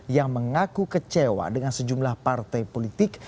yang mengaku kecewa dengan sejumlah partai politik